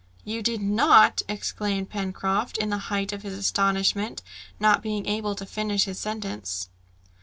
"You did not!" exclaimed Pencroft, in the height of his astonishment, not being able to finish his sentence.